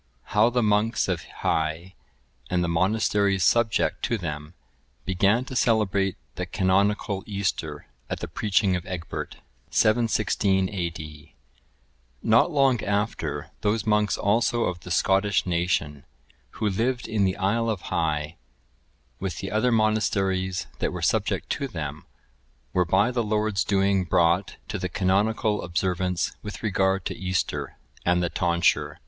How the monks of Hii, and the monasteries subject to them, began to celebrate the canonical Easter at the preaching of Egbert. [716 A.D.] Not long after, those monks also of the Scottish nation, who lived in the isle of Hii, with the other monasteries that were subject to them, were by the Lord's doing brought to the canonical observance with regard to Easter, and the tonsure.